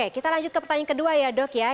oke kita lanjut ke pertanyaan kedua ya dok ya